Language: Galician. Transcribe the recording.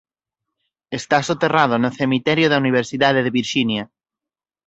Está soterrado no cemiterio da Universidade de Virxinia.